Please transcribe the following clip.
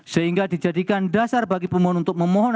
sehingga dijadikan dasar bagi pemohon untuk memohon